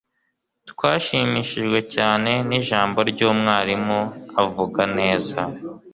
twashimishijwe cyane nijambo ry'umwarimu avuga neza